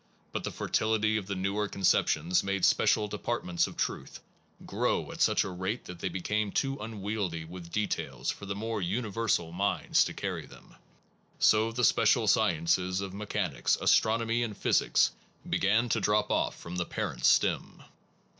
But the fertility of the newer conceptions made special departments of truth grow at such a rate that they became too unwieldy with details for the more universal minds to carry them, so the special sciences of mechanics, astronomy, and physics began to drop off from the parent stem.